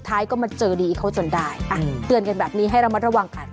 ตอนนี้มาเจาะดีกันเขาจนได้ต้องเตรียมกันอีก